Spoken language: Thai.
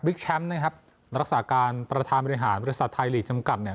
บิ๊กแชมป์นะครับรักษาการประธานบริหารวิทยาศาสตร์ไทยหลีกจำกัดเนี่ย